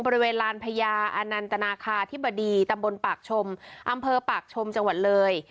บริเวณลานพญาอนันตนาคาธิบดีตำบลปากชมอำเภอปากชมจังหวัดเลย